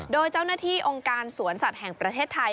โดยเจ้าหน้าที่องค์การสวนสัตว์แห่งประเทศไทย